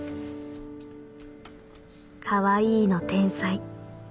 「かわいいの天才。